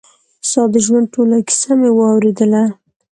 ستا د ژوند ټوله کيسه مې واورېدله.